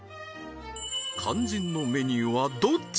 肝心のメニューはどっち？